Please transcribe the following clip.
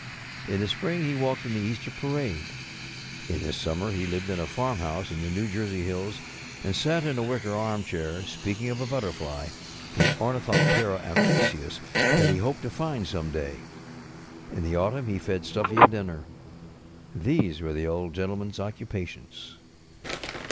In the spring he walked in the Easter parade. In the summer ho lived at a farmhouse in the New Jersey hills, and sat in a wicker armchair, speaking of a but┬¼ terfly, the ornithoptcra amphrisius, that he hoped to And some day. In the autumn he fed Stuffy a dinner. These were the Old GentlemanŌĆÖs occupations.